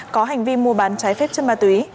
có hành vi mua bán trái phép chất ma túy